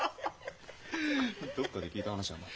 どっかで聞いた話だな。